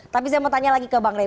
tapi saya mau tanya lagi ke bang rey